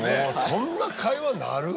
そんな会話なる？